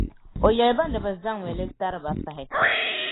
o yɛli ba ni bɛ zaŋm’ li tari ba pahi.